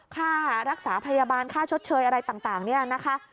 ค่ารักษาพยาบาลค่าชดเชยอะไรต่างเนี่ยนะคะ